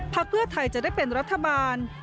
เพื่อไทยจะได้เป็นรัฐบาล